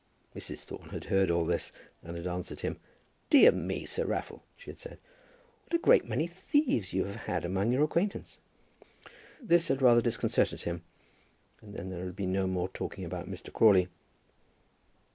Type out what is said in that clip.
Mrs. Thorne had heard all this, and had answered him, "Dear me, Sir Raffle," she had said, "what a great many thieves you have had among your acquaintance!" This had rather disconcerted him, and then there had been no more talking about Mr. Crawley.